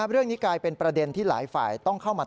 เรื่องนี้กลายเป็นประเด็นที่หลายฝ่ายต้องเข้ามา